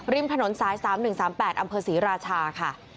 ริมถนนซ้ายสามหนึ่งสามแปดอำเภอศรีราชาค่ะ